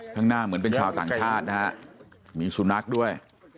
ข้างหน้าเหมือนเป็นชาวต่างชาตินะฮะมีสุนัขด้วย